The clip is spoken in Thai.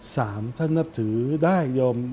สามท่านนับถือได้ยม